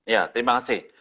ya terima kasih